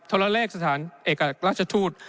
ละเลขสถานเอกราชทูต